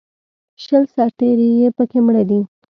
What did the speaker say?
شل سرتېري یې په کې مړه دي